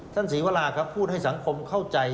ท่านสีวราร่าก็พูดให้สังคมเข้าใจ